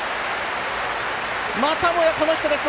またもや、この人です！